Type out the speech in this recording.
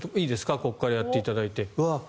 ここからやっていただいて。